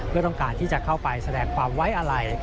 เพื่อต้องการที่จะเข้าไปแสดงความไว้อะไร